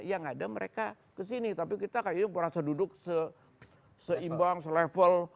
yang ada mereka kesini tapi kita kayaknya merasa duduk seimbang selevel